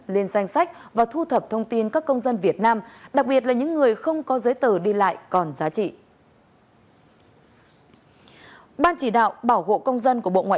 liên xác và giải quyết các vấn đề của các cơ quan chức năng